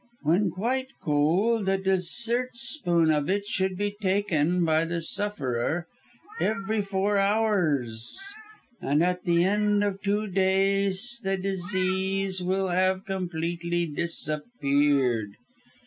When quite cold, a dessert spoon of it should be taken by the sufferer every four hours and at the end of two days the disease will have completely disappeared.